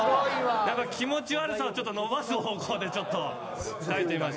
気持ち悪さを残す方向でちょっと書いてみました。